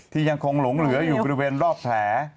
ยังคงหลงเหลืออยู่บริเวณรอบแผล